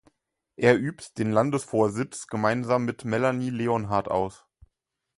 Er übt den Landesvorsitz gemeinsam mit Melanie Leonhard aus.